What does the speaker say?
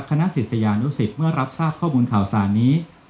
คณะศิษยานุสิตเมื่อรับทราบข้อมูลข่าวสารนี้